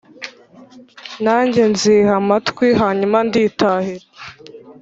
Nanjye nziha amatwi hanyuma nditahira